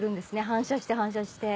反射して反射して。